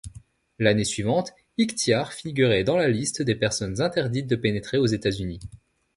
L'année suivante, Ikhtiar figurait dans la liste des personnes interdites de pénétrer aux États-Unis.